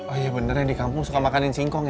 oh iya benernya di kampung suka makanin singkong ya